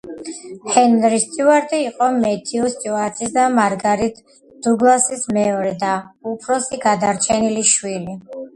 ჰენრი სტიუარტი იყო მეთიუ სტიუარტის და მარგარეტ დუგლასის მეორე და უფროსი გადარჩენილი შვილი.